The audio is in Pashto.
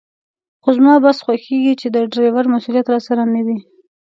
خو زما بس خوښېږي چې د ډریور مسوولیت راسره نه وي.